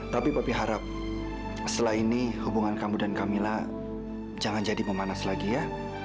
tapi papi harap setelah ini hubungan kamu dan kamila jangan jadi pemanas lagi ya